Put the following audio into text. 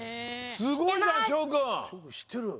すごいじゃんしょうくん！